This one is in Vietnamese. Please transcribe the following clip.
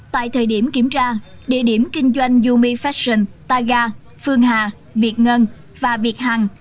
tại thời điểm kiểm tra địa điểm kinh doanh yumi fashion taiga phương hà việt ngân và việt hằng